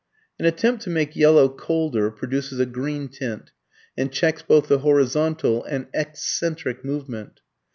An attempt to make yellow colder produces a green tint and checks both the horizontal and excentric movement.